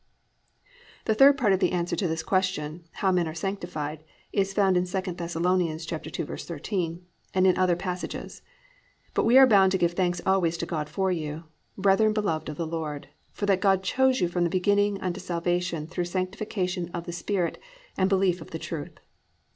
3. The third part of the answer to the question, how men are sanctified, is found in 2 Thess. 2:13 and in other passages, +"But we are bound to give thanks always to God for you, brethren beloved of the Lord, for that God chose you from the beginning unto salvation through sanctification of the Spirit and belief of the truth."